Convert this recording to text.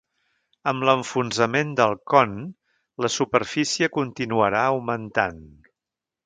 Amb l’enfonsament del con, la superfície continuarà augmentant.